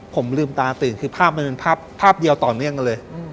ผมลืมตาตื่นคือภาพมันเป็นภาพเดียวต่อเนื่องกันเลย